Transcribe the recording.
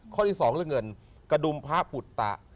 ข้อที่๒เรื่องเงินกระดุมพระปุตตะ